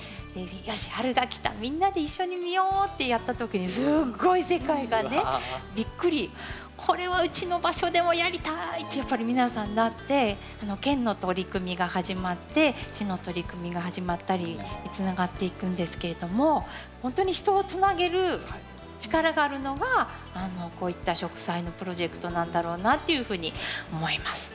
「よし春が来たみんなで一緒に見よう」ってやった時にすごい世界がねびっくりこれはうちの場所でもやりたいってやっぱり皆さんなって県の取り組みが始まって市の取り組みが始まったりつながっていくんですけれどもほんとに人をつなげる力があるのがこういった植栽のプロジェクトなんだろうなっていうふうに思います。